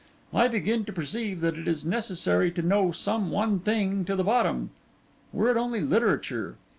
I begin to perceive that it is necessary to know some one thing to the bottom—were it only literature.